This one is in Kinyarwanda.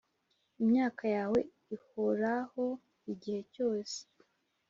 Imyaka yawe ihoraho igihe cyose